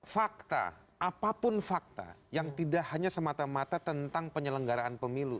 fakta apapun fakta yang tidak hanya semata mata tentang penyelenggaraan pemilu